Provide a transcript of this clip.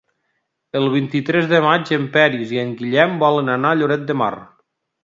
El vint-i-tres de maig en Peris i en Guillem volen anar a Lloret de Mar.